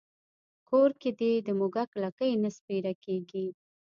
کور کې دې د موږک لکۍ نه سپېره کېږي.